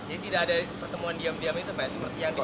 jadi tidak ada pertemuan diam diam itu pak yang disampaikan